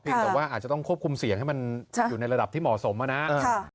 แต่ว่าอาจจะต้องควบคุมเสียงให้มันอยู่ในระดับที่เหมาะสมนะครับ